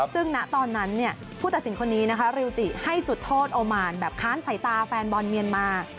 ซึ่งณตอนนั้นผู้ตัดสินคนนี้นะคะริวจิให้จุดโทษโอมานแบบค้านสายตาแฟนบอลเมียนมา